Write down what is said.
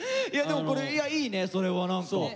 いやでもこれいいねそれは何か。